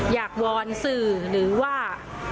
อยากวอนสื่อหรือว่า